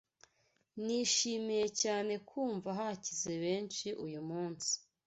Nishimiye cyane kumva hakize benshi uyu munsi